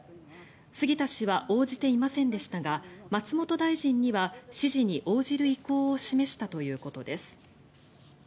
杉田氏は応じていませんでしたが松本大臣には指示に応じる意向を示したということです。